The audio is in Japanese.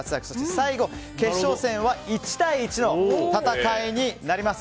最後決勝戦は１対１の戦いになります。